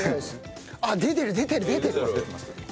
あっ出てる出てる出てる。